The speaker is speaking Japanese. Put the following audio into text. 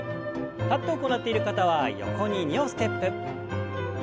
立って行っている方は横に２歩ステップ。